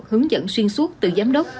hướng dẫn xuyên suốt từ giám đốc